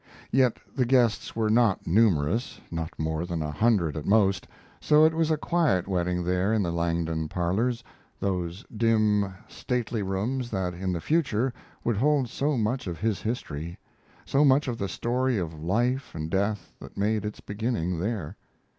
Yet the guests were not numerous, not more than a hundred at most, so it was a quiet wedding there in the Langdon parlors, those dim, stately rooms that in the future would hold so much of his history so much of the story of life and death that made its beginning there.